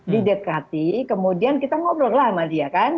didekati kemudian kita ngobrol lah sama dia kan